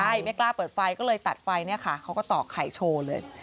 ใช่ไม่กล้าเปิดไฟก็เลยตัดไฟเนี่ยค่ะเขาก็ตอกไข่โชว์เลย